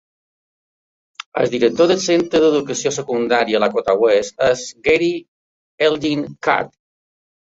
El director del centre d'educació secundària Lakota West és Gary Elgin Card.